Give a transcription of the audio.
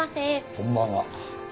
こんばんは。